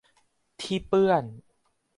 ที่เปื้อน